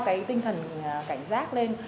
cái tinh thần cảnh giác lên